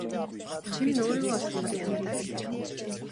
Чи минь өөрийгөө олсон бол яамай даа гэлээ.